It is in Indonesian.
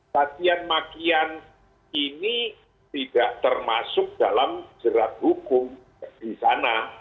katian makian ini tidak termasuk dalam jerat hukum di sana